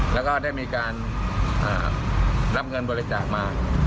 แล้วก็ได้มีการรับเงินบริจาคมา